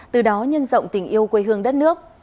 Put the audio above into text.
từ đó nhân rộng tình yêu quê hương đất nước